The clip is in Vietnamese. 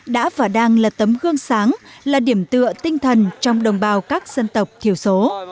đã và đang là tấm gương sáng là điểm tựa tinh thần trong đồng bào các dân tộc thiểu số